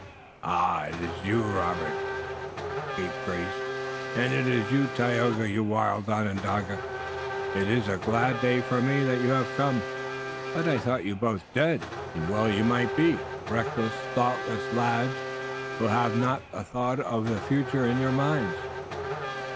"Ah, it iss you, Robert, you scapegrace, and it iss you, Tayoga, you wild Onondaga! It iss a glad day for me that you haf come, but I thought you both dead, und well you might be, reckless, thoughtless lads who haf not the thought uf the future in your minds."